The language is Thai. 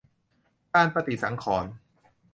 การปฏิสังขรณ์